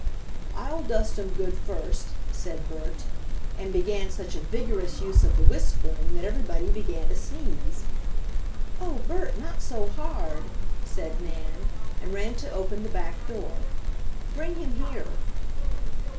"I'll dust him good first," said Bert, and began such a vigorous use of the whisk broom that everybody began to sneeze. "Oh, Bert, not so hard!" said Nan, and ran to open the back door. "Bring him here."